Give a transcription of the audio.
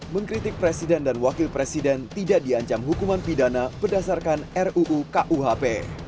mengkritik presiden dan wakil presiden tidak diancam hukuman pidana berdasarkan ruu kuhp